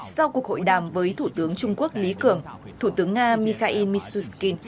sau cuộc hội đàm với thủ tướng trung quốc lý cường thủ tướng nga mikhail mishustin